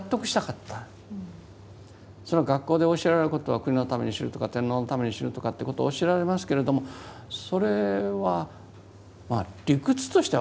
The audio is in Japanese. それは学校で教えられることは国のために死ぬとか天皇のために死ぬとかっていうことを教えられますけれどもそれはまあ理屈としては分かりますけどね。